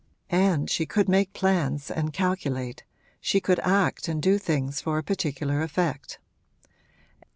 And she could make plans and calculate, she could act and do things for a particular effect.